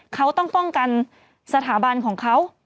เขาต้องป้องกันสถาบันของเขา